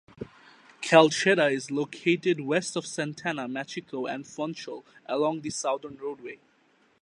Calheta is located west of Santana, Machico and Funchal, along the southern roadway.